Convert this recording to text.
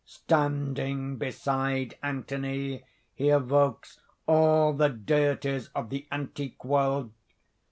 Standing beside Anthony he evokes all the deities of the antique world.